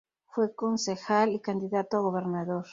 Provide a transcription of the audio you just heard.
Fue concejal y candidato a gobernador.